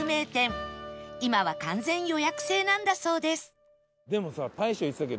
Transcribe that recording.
今は完全予約制なんだそうです